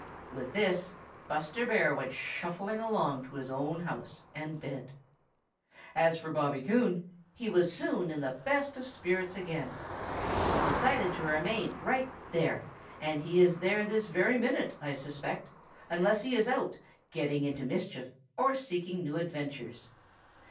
With this Buster Bear went shuffling along to his own house and bed. As for Bobby Coon, he was soon in the best of spirits again. He decided to remain right there, and he is there this very minute, I suspect, unless he is out getting into mischief or seeking new adventures.